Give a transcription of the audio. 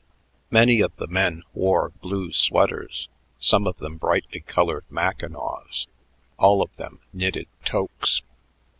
Many of the men wore blue sweaters, some of them brightly colored Mackinaws, all of them knitted toques.